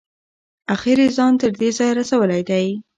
اخیر یې ځان تر دې ځایه رسولی دی.